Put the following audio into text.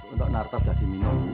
untuk narto tidak diminum